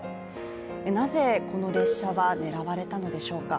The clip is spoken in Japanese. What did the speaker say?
なぜ、この列車は狙われたのでしょうか。